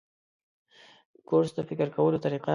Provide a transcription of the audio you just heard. کورس د فکر کولو طریقه بدلوي.